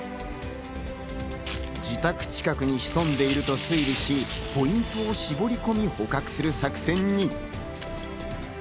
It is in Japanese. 自宅近くに潜んでいると推理し、ポイントを絞り込み捕獲する作戦に。